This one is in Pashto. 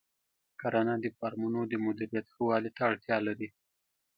کرنه د فارمونو د مدیریت ښه والي ته اړتیا لري.